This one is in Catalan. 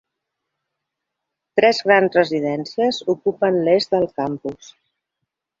Tres grans residències ocupen l'est del campus.